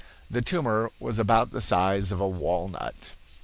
The tumor was about the size of a walnut.